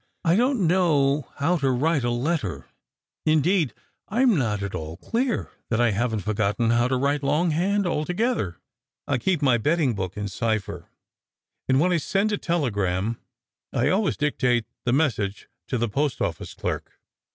I don't know how to write a letter: indeed, I'm not at all clear that I haven't forgotten how to write long hand alto gether. I keej) my betting book in cipher; and when I send a telegram, I always dictate the message to the post office clerk."